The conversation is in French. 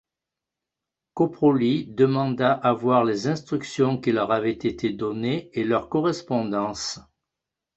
Koproli demanda à voir les instructions qui leur avaient été données et leur correspondance.